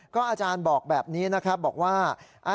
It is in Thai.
อาจารย์บอกแบบนี้นะครับบอกว่า